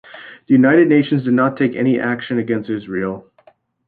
The United Nations did not take any action against Israel.